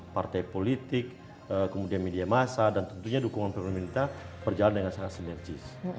partai politik kemudian media massa dan tentunya dukungan pemerintah berjalan dengan sangat sinergis